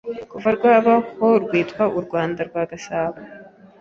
Kuva rwabaho rwitwa u Rwanda rwa Gasabo,